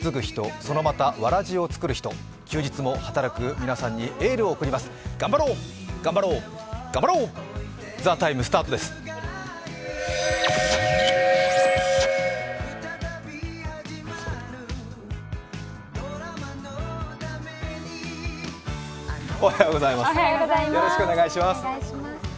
よろしくお願いします。